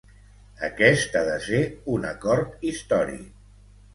Aquest ha de ser un acord històric